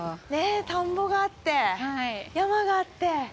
田んぼがあって、山があって。